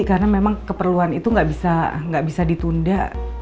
karena memang keperluan itu gak bisa ditunda